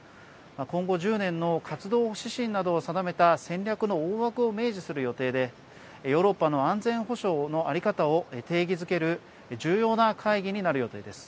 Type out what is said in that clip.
今後１０年の活動指針などを定めた戦略の大枠を明示する予定でヨーロッパの安全保障の在り方を定義づける重要な会議になる予定です。